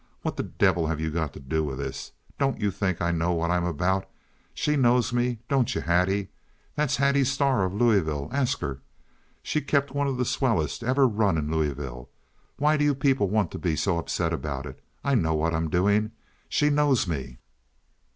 What the devil have you got to do with this? Don't you think I know what I'm about? She knows me—don't you, Hattie? That's Hattie Starr, of Louisville—ask her! She kept one of the swellest ever run in Louisville. What do you people want to be so upset about? I know what I'm doing. She knows me."